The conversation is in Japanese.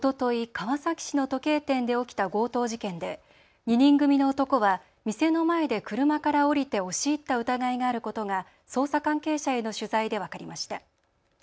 川崎市の時計店で起きた強盗事件で２人組の男は店の前で車から降りて押し入った疑いがあることが捜査関係者への取材で分かりました。